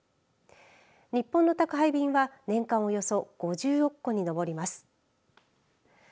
日本の宅配便は年間およそ５０億個に上ります。